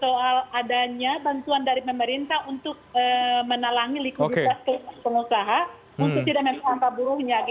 soal adanya bantuan dari pemerintah untuk menalangi likuiditas pengusaha untuk tidak membesarkan buruhnya